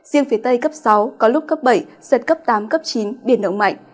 riêng phía tây cấp sáu có lúc cấp bảy giật cấp tám cấp chín biển động mạnh